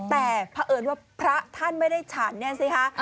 แต่เผอิญว่าพระท่านไม่ได้ฉันเนี่ยสิคะ